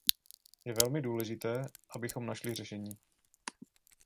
Je velmi důležité, abychom našli řešení.